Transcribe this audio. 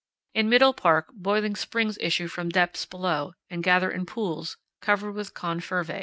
In Middle Park boiling springs issue from depths below and gather in pools covered with con fervae.